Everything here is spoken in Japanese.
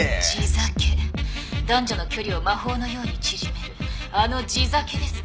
男女の距離を魔法のように縮めるあの地酒ですか。